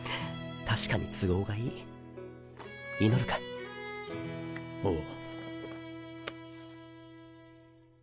確かに都合がいい祈るかああ